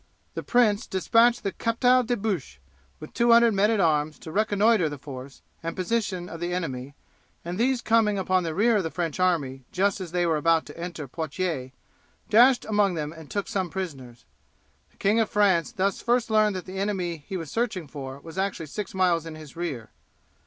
The Prince despatched the Captal de Buch with 200 men at arms to reconnoitre the force and position of the enemy, and these coming upon the rear of the French army just as they were about to enter Poitiers, dashed among them and took some prisoners. The King of France thus first learned that the enemy he was searching for was actually six miles in his rear.